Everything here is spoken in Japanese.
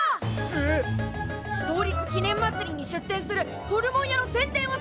えっ？創立記念まつりに出店するホルモン屋の宣伝をさせてほしいんだ。